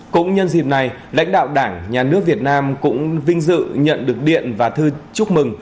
cũng nhân dịp này lãnh đạo đảng nhà nước việt nam cũng vinh dự nhận được điện và thư chúc mừng